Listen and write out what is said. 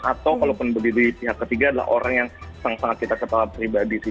atau kalau penipuan di pihak ketiga adalah orang yang sangat sangat kita kepala pribadi sih